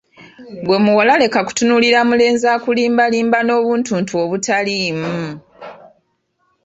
Ggwe muwala leka kutunuulira mulenzi akulimbalimba n'obuntuntu obutaliimu!